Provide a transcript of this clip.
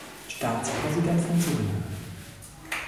Staatspräsident von Suriname.